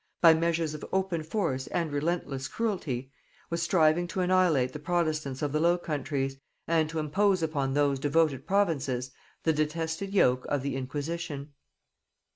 by measures of open force and relentless cruelty, was striving to annihilate the protestants of the Low Countries, and to impose upon those devoted provinces the detested yoke of the inquisition.